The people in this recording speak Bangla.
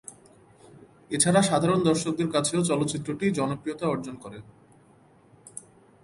এছাড়া সাধারণ দর্শকদের কাছেও চলচ্চিত্র টি জনপ্রিয়তা অর্জন করে।